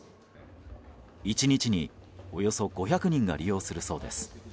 １日におよそ５００人が利用するそうです。